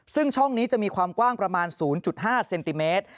ซึ่งช่องนี้จะมีความกว้างประมาณ๐๕เซนติเมตร